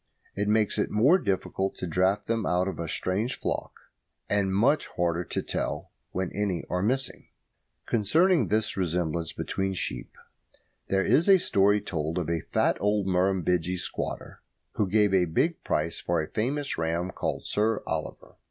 It makes it more difficult to draft them out of a strange flock, and much harder to tell when any are missing. Concerning this resemblance between sheep, there is a story told of a fat old Murrumbidgee squatter who gave a big price for a famous ram called Sir Oliver.